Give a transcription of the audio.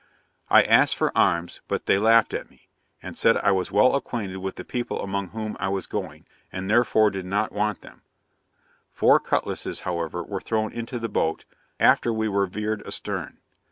'I asked for arms, but they laughed at me, and said I was well acquainted with the people among whom I was going, and therefore did not want them; four cutlasses, however, were thrown into the boat, after we were veered astern.